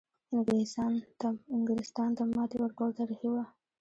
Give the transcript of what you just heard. انګلیستان ته ماتې ورکول تاریخي وه.